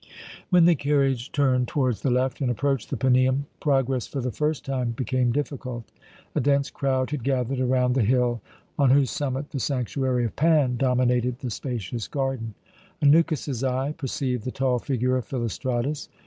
When the carriage turned towards the left and approached the Paneum, progress for the first time became difficult. A dense crowd had gathered around the hill on whose summit the sanctuary of Pan dominated the spacious garden. Anukis's eye perceived the tall figure of Philostratus.